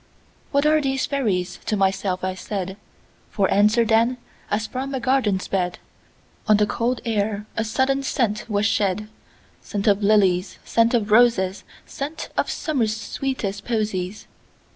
"What are these fairies?" to myself I said; For answer, then, as from a garden's bed, On the cold air a sudden scent was shed,—Scent of lilies, scent of roses, Scent of Summer's sweetest posies.